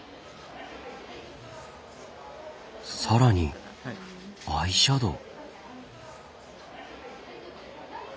更にアイシャドウ。